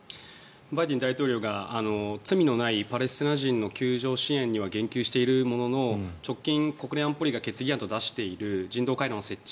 バイデン大統領が罪のないパレスチナ人の救助支援には言及しているものの直近、国連安保理が決議案として出している人道回廊の設置